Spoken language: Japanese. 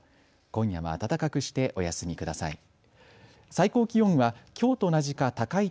今夜は暖かくしてお休みください。